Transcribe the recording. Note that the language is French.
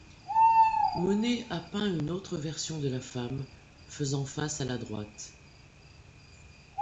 Monet a peint une autre version de la femme faisant face à la droite.